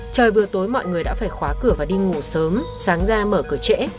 trời bữa tối mọi người đã phải khóa cửa và đi ngủ sớm sáng ra mở cửa trễ